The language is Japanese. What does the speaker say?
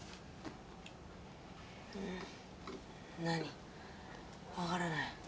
何？